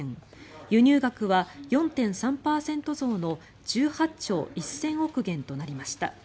輸入額は４．３％増の１８兆１０００億元となりました。